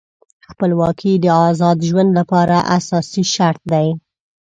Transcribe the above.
خپلواکي د آزاد ژوند لپاره اساسي شرط دی.